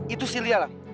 itu si lia lah